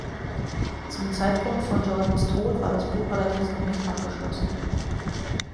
Zum Zeitpunkt von Jordans Tod war das Buch allerdings noch nicht abgeschlossen.